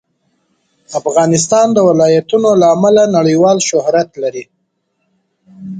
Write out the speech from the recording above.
افغانستان د ولایتونو له امله نړیوال شهرت لري.